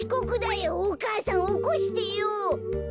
お母さんおこしてよ。